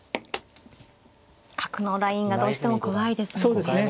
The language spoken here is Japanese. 角のラインがどうしても怖いですもんね。